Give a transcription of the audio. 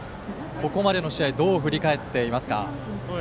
ここまでの試合どう振り返っていますか？